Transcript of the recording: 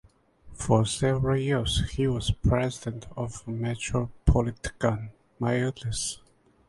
For several years he was president of the Metropolitana Milanese.